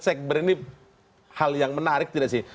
sekber ini hal yang menarik tidak sih